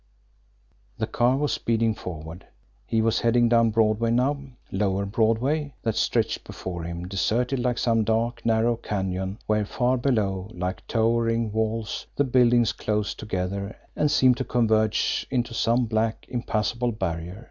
The car was speeding forward. He was heading down Broadway now, lower Broadway, that stretched before him, deserted like some dark, narrow canyon where, far below, like towering walls, the buildings closed together and seemed to converge into some black, impassable barrier.